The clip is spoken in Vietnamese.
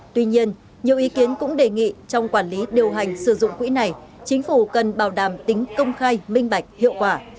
tuy nhiên nhiều ý kiến cũng đề nghị trong quản lý điều hành sử dụng quỹ này chính phủ cần bảo đảm tính công khai minh bạch hiệu quả